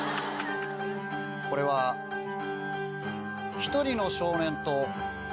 これは１人の少年と